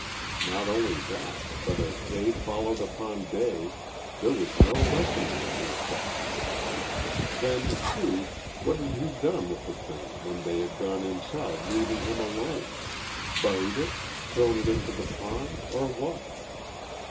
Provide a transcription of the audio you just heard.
Not only that, but as day followed upon day, there was no lessening of the effect. Then, too, what had he done with the thing when they had gone inside leaving him alone. Buried it thrown it into the pond, or what?